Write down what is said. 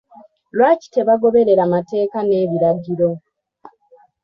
Lwaki tebagoberera mateeka n'ebiragiro?